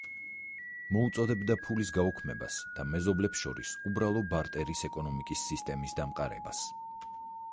მოუწოდებდა ფულის გაუქმებას და მეზობლებს შორის უბრალო ბარტერის ეკონომიკის სისტემის დამყარებას.